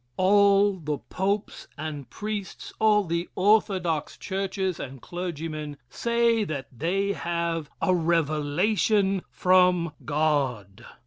All the popes and priests, all the orthodox churches and clergymen, say that they have a revelation from God.